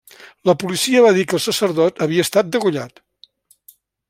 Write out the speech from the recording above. La policia va dir que el sacerdot havia estat degollat.